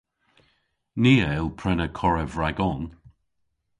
Ni a yll prena korev ragon.